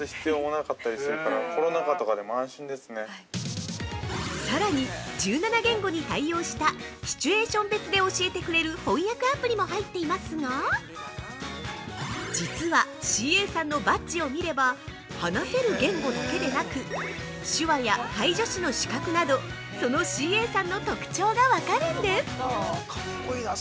◆さらに、１７言語に対応した、シチュエーション別で教えてくれる翻訳アプリも入っていますが、実はＣＡさんのバッジを見れば、話せる言語だけでなく、手話や介助士の資格など、そのＣＡさんの特徴が分かるんです！